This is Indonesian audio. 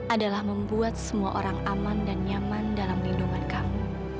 adalah membuat semua orang aman dan nyaman dalam lindungan kamu